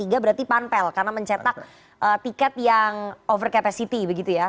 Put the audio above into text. tiga berarti panpel karena mencetak tiket yang over capacity begitu ya